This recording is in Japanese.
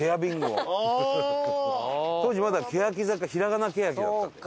当時まだけやき坂ひらがなけやきだったんだよ。